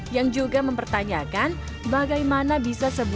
yang juga mempertanyakan bagaimana bisa sebuah kondisi yang berbeda